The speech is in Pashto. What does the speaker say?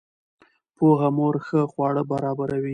پوهه مور ښه خواړه برابروي.